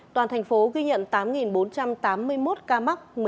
toàn thành phố ghi nhận tám bốn trăm tám mươi một ca mắc